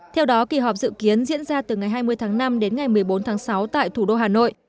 theo đó kỳ họp dự kiến diễn ra từ ngày hai mươi tháng năm đến ngày một mươi bốn tháng sáu tại thủ đô hà nội